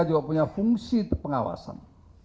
juga punya fungsi pengawasan